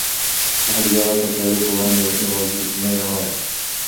پوهه د جهالت او تیارو په وړاندې یوازینۍ رڼا ده.